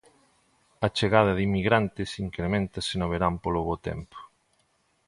A chegada de inmigrantes increméntase no verán polo bo tempo.